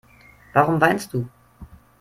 Warum weinst du?